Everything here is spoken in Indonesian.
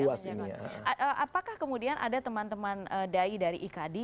apakah kemudian ada teman teman dai dari ikd